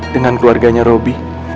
dengan keluarganya robby